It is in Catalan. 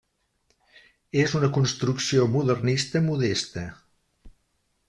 És una construcció modernista modesta.